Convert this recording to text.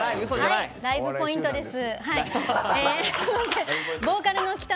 ライブポイントです。